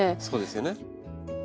そうですよね。